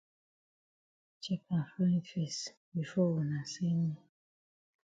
Chek am fine fes before wuna send yi.